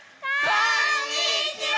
こんにちは！